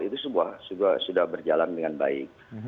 itu semua sudah berjalan dengan baik